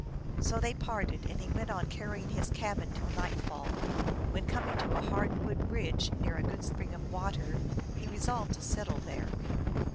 So they parted and he went on carrying his cabin till night fall, when coming to a hard wood ridge, near a good spring of water, he resolved to settle there.